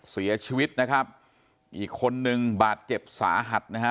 เสียชีวิตนะครับอีกคนนึงบาดเจ็บสาหัสนะฮะ